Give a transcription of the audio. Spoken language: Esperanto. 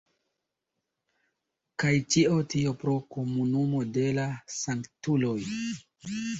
Kaj ĉio tio pro Komunumo de la Sanktuloj.